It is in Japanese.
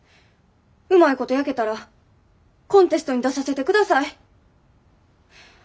うまいこと焼けたらコンテストに出させてください。